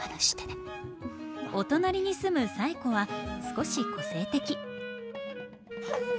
お隣に住む冴子は少し個性的。